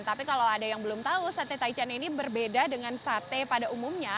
tapi kalau ada yang belum tahu sate taichan ini berbeda dengan sate pada umumnya